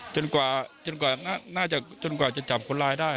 จนกว่าน่าจะจนกว่าจะจับคนร้ายได้